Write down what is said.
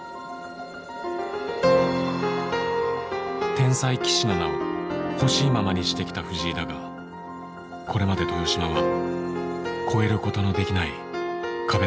天才棋士の名をほしいままにしてきた藤井だがこれまで豊島は超えることのできない壁だった。